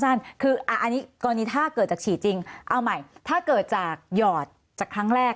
อันนี้กรณีถ้าเกิดจากฉีดจริงเอาใหม่ถ้าเกิดจากหยอดจากครั้งแรก